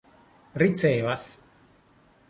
ricevas